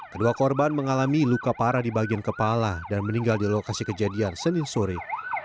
kedua korban mengalami luka parah di bagian kepala dan meninggal di lokasi kejadian senin sore